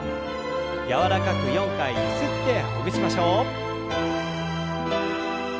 柔らかく４回ゆすってほぐしましょう。